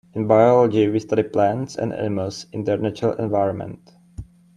In biology we study plants and animals in their natural environment.